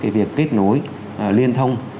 việc kết nối liên thông